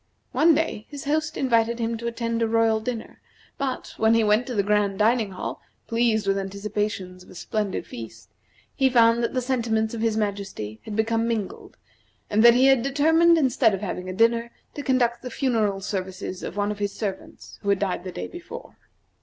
One day his host invited him to attend a royal dinner, but, when he went to the grand dining hall, pleased with anticipations of a splendid feast, he found that the sentiments of his majesty had become mingled, and that he had determined, instead of having a dinner, to conduct the funeral services of one of his servants who had died the day before.